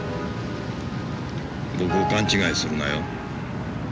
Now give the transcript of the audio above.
僕を勘違いするなよ。